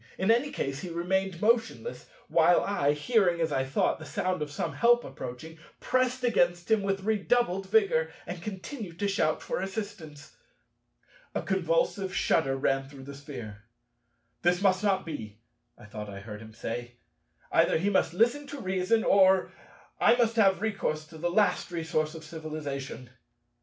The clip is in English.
In any case he remained motionless, while I, hearing, as I thought, the sound of some help approaching, pressed against him with redoubled vigor, and continued to shout for assistance. A convulsive shudder ran through the Sphere. "This must not be," I thought I heard him say: "either he must listen to reason, or I must have recourse to the last resource of civilization."